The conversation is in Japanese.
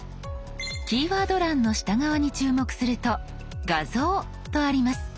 キーワード欄の下側に注目すると「画像」とあります。